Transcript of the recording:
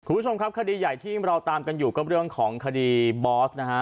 คุณผู้ชมครับคดีใหญ่ที่เราตามกันอยู่ก็เรื่องของคดีบอสนะฮะ